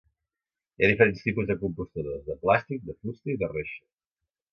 Hi ha diferents tipus de compostadors, de plàstic, de fusta i de reixa.